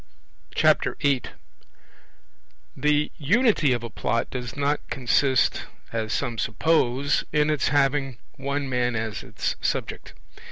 8 The Unity of a Plot does not consist, as some suppose, in its having one man as its subject.